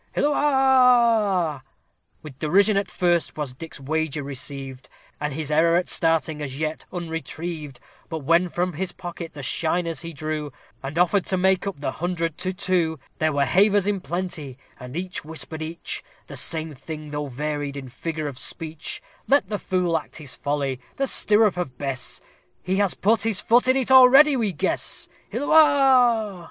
Hilloah! With derision at first was Dick's wager received, And his error at starting as yet unretrieved; But when from his pocket the shiners he drew, And offered to "make up the hundred to two," There were havers in plenty, and each whispered each, The same thing, though varied in figure of speech, "Let the fool act his folly the stirrup of Bess! He has put his foot in it already, we guess!" _Hilloah!